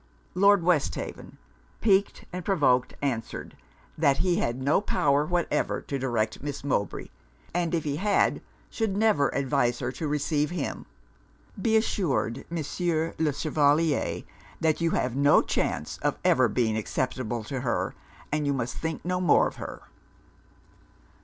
Lord Westhaven, piqued and provoked, answered 'that he had no power whatever to direct Miss Mowbray; and if he had, should never advise her to receive him. Be assured, Monsieur le Chevalier, that you have no chance of ever being acceptable to her, and you must think no more of her.'